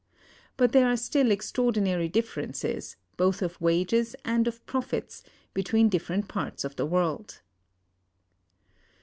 But there are still extraordinary differences, both of wages and of profits, between different parts of the world.